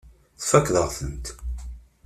Tfakkeḍ-aɣ-tent.